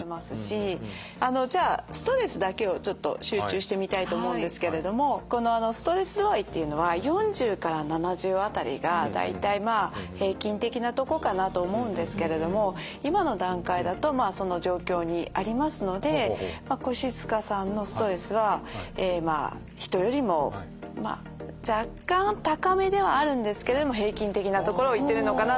あのじゃあストレスだけをちょっと集中して見たいと思うんですけれどもこのストレス度合いというのは４０から７０辺りが大体まあ平均的なとこかなと思うんですけれども今の段階だとその状況にありますので越塚さんのストレスは人よりもまあ若干高めではあるんですけれども平均的な所をいってるのかなと。